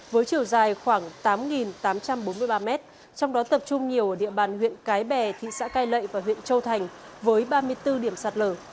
với chiều dài khoảng tám tám trăm bốn mươi ba m trong đó tập trung nhiều ở địa bàn huyện cái bè thị xã cai lậy và huyện châu thành với ba mươi bốn điểm sạt lở